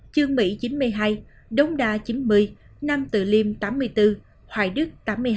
chương mỹ chín mươi hai đống đa chín mươi nam từ liêm tám mươi bốn hoài đức tám mươi hai